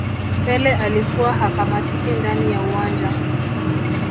pele alikuwa hakamatiki ndani ya uwanja